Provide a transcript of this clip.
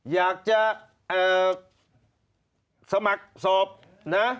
อยากจะสมัครสอบนะ